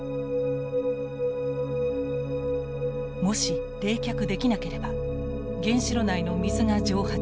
もし冷却できなければ原子炉内の水が蒸発。